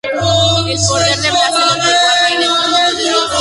El poder de Blaze le otorgo a Rain el título de Dios.